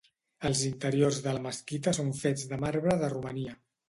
Els interiors de la mesquita són fets de marbre de Romania.